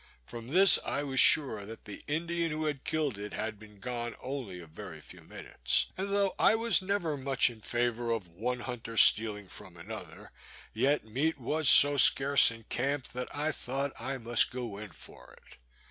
From this I was sure that the Indian who had killed it had been gone only a very few minutes; and though I was never much in favour of one hunter stealing from another, yet meat was so scarce in camp, that I thought I must go in for it.